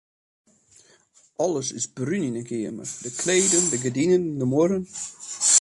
Alles is brún yn 'e keamer: de kleden, de gerdinen, de muorren.